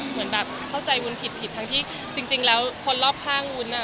เหมือนแบบเข้าใจวุ้นผิดผิดทั้งที่จริงแล้วคนรอบข้างวุ้น